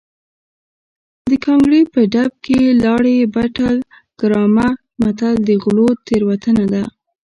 د ګانګړې په ډب کې لاړې بټه ګرامه متل د غلو تېروتنه ده